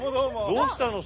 どうしたの。